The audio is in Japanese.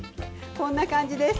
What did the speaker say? こんな感じです。